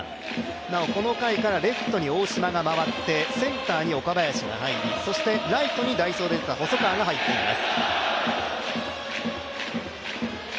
なお、この回からレフトに大島が回ってセンターに岡林が入りそしてライトに代走で出た細川が入っています。